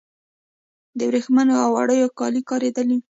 د وریښمو او وړیو کالي کاریدل